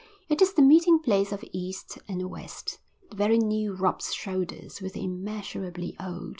It is the meeting place of East and West. The very new rubs shoulders with the immeasurably old.